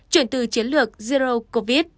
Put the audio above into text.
chuyển từ chiến lược zero covid